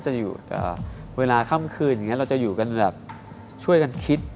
อเจมส์เวลาค่ำคืนที่งั้นเราจะอยู่กันช่วยกันคิด